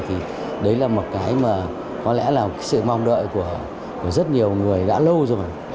thì đấy là một cái mà có lẽ là sự mong đợi của rất nhiều người đã lâu rồi